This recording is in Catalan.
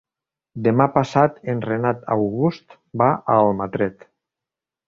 Demà passat en Renat August va a Almatret.